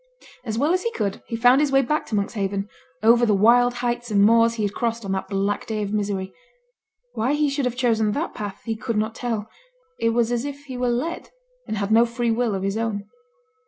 As well as he could, he found his way back to Monkshaven, over the wild heights and moors he had crossed on that black day of misery; why he should have chosen that path he could not tell it was as if he were led, and had no free will of his own.